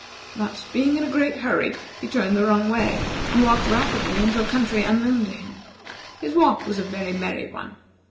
But, being in a great hurry, he turned the wrong way, and walked rapidly into a country unknown to him. His walk was a very merry one.